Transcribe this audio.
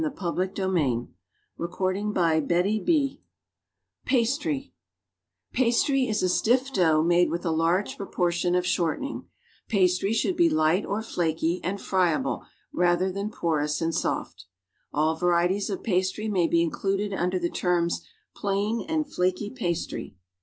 ^e lead mejuiiirnmenta Jot all int/rcdicRts Pastry is a stiff dough made with a large proportion of short ening. Pastrj' should be light or flaky and friable rather than porous and soft. All varieties of pastry may be included under the terms plain and flaky pastry